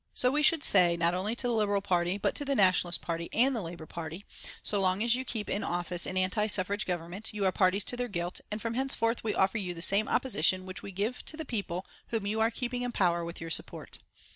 So we should say, not only to the Liberal Party but to the Nationalist Party and the Labour Party, "So long as you keep in office an anti suffrage Government, you are parties to their guilt, and from henceforth we offer you the same opposition which we give to the people whom you are keeping in power with your support."